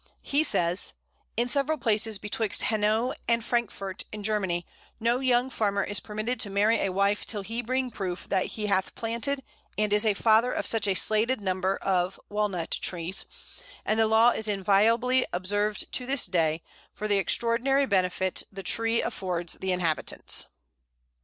He says: "In several places betwixt Hanau and Frankfort in Germany no young farmer is permitted to marry a wife till he bring proof that he hath planted and is a father of such a stated number of [Walnut] trees, and the law is inviolably observed to this day, for the extraordinary benefit the tree affords the inhabitants." [Illustration: Pl. 137. Walnut summer.